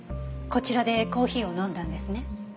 こちらでコーヒーを飲んだんですね？